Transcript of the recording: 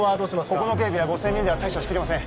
ここの警備は５０００人では対処しきれません